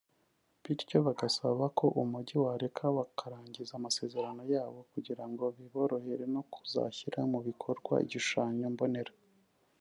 bityo bagasaba ko umujyi wareka bakarangiza amasezerano yabo kugirango biborohere no kuzashyira mu bikorwa igishushanyo mbonera